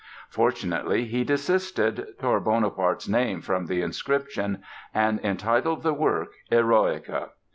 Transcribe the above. Fortunately he desisted, tore Bonaparte's name from the inscription, and entitled the work "Eroica."